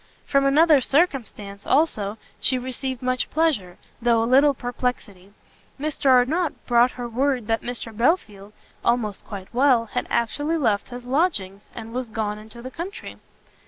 From another circumstance, also, she received much pleasure, though a little perplexity; Mr Arnott brought her word that Mr Belfield, almost quite well, had actually left his lodgings, and was gone into the country.